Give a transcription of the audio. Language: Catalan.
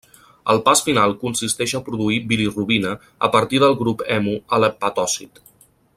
El pas final consisteix a produir bilirubina a partir del grup hemo a l'hepatòcit.